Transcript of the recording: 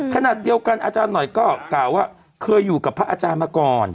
ขณะเดียวกันอาจารย์หน่อยก็กล่าวว่าเคยอยู่กับพระอาจารย์มาก่อน